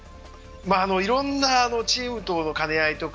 いろんなチームとの兼ね合いとか。